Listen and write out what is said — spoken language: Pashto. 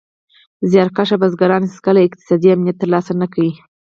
زیار کښه بزګران هېڅکله اقتصادي امنیت تر لاسه نه کړ.